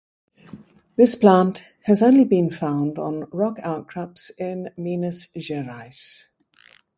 This plant has only been found on rock outcrops in Minas Gerais.